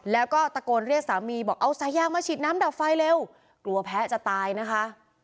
แล้วก็ตะโกนเรียกสามีบอกเอาสายางมาฉีดน้ำดับไฟเร็วกลัวแพ้จะตายนะคะ